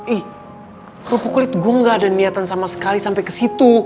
ih kerupuk kulit gue gak ada niatan sama sekali sampe kesitu